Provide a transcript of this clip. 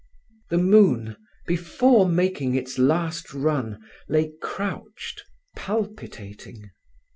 The moon, before making its last run, lay crouched, palpitating.